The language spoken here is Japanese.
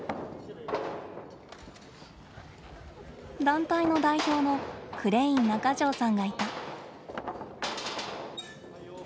団体の代表のクレイン中條さんがいた。